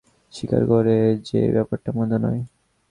স্বীকার করে যে ব্যাপারটা মন্দ নয়।